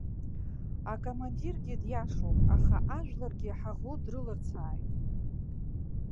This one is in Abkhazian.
Акомандиргьы диашоуп, аха ажәларгьы ҳаӷоу дрылырцааит.